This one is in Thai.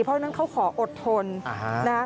เพราะฉะนั้นเขาขออดทนนะครับ